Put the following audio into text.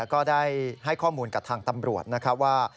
ก็ได้ให้ข้อมูลกับทางตำรวจว่า